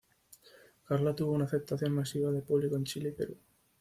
Karla tuvo una aceptación masiva de público en Chile y Perú.